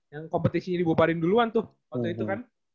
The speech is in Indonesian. yang kompetisinya dibubarin duluan tuh waktu itu kan